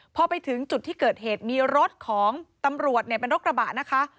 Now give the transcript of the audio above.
พอไปถึงจุดที่เกิดเหตุมีรถของตำรวจเนี่ยเป็นรถกระบะนะคะ